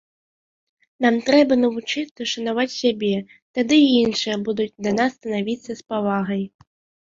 Нам трэба навучыцца шанаваць сябе, тады і іншыя будуць да нас ставіцца з павагай.